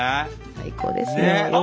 最高ですよ。